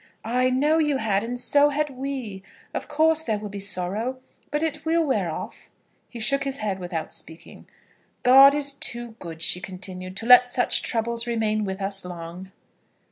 "I know you had, and so had we. Of course there will be sorrow, but it will wear off." He shook his head without speaking. "God is too good," she continued, "to let such troubles remain with us long."